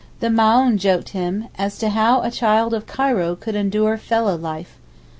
The Maōhn joked him as to how a 'child of Cairo' could endure fellah life.